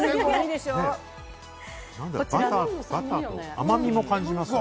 バターと甘みも感じますよね。